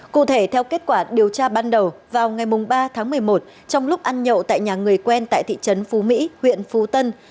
cụ thể theo kết quả điều tra ban đầu vào ngày ba tháng một mươi một trong lúc ăn nhậu tại nhà người quen tại thị trấn phú mỹ huyện phú tân